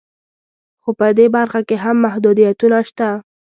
خو په دې برخه کې هم محدودیتونه شته